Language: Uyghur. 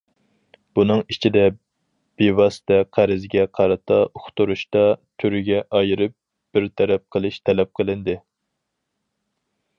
بۇنىڭ ئىچىدە، بىۋاسىتە قەرزگە قارىتا، ئۇقتۇرۇشتا تۈرگە ئايرىپ بىر تەرەپ قىلىش تەلەپ قىلىندى.